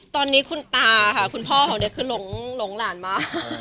ตอนนี้คุณตาค่ะคุณพ่อของเด็กคือหลงหลานมา